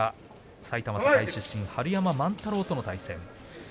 埼玉栄出身、春山万太郎との対戦です。